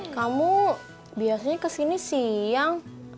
kamu biasanya kesini siang